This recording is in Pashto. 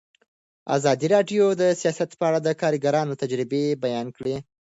ازادي راډیو د سیاست په اړه د کارګرانو تجربې بیان کړي.